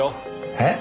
えっ？